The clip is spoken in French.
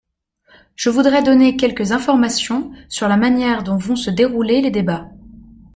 Je voudrais donner quelques informations sur la manière dont vont se dérouler les débats.